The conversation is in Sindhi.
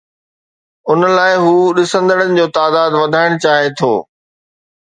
ان لاءِ هو ڏسندڙن جو تعداد وڌائڻ چاهي ٿو.